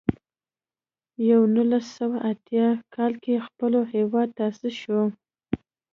په نولس سوه اتیا کال کې خپلواک هېواد تاسیس شو.